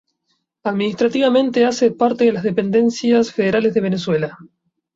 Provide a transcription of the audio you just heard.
Administrativamente hace parte de las Dependencias Federales de Venezuela.